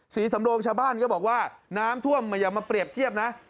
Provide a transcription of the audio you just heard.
ศรีสำโรงชาวบ้านก็บอกว่าน้ำท่วมอย่ามาเปรียบเทียบนะ